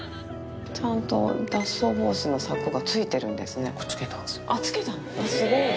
ちゃんと脱走防止の柵がついてるんですね。